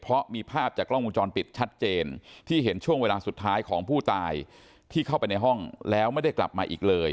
เพราะมีภาพจากกล้องวงจรปิดชัดเจนที่เห็นช่วงเวลาสุดท้ายของผู้ตายที่เข้าไปในห้องแล้วไม่ได้กลับมาอีกเลย